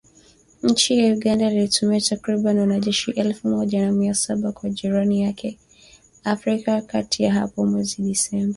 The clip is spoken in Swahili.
Nchi ya Uganda ilituma takribani wanajeshi elfu moja na mia saba kwa jirani yake, Afrika ya kati hapo mwezi Disemba